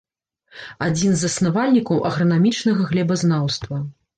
Адзін з заснавальнікаў агранамічнага глебазнаўства.